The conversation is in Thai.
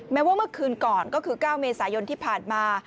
แม้ว่าเมื่อคืนก่อนก็คือ๙เมษายนที่ผ่านมา